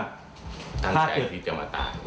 ตั้งแต่อาทิตย์จะมาตาย